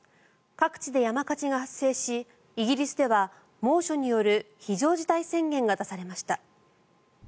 各地で山火事が発生しイギリスでは猛暑による非常事態宣言が出されました。